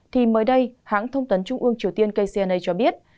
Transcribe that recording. thì mới đây hãng thông tấn trung ương triều tiên kcna cho biết